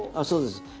そうです。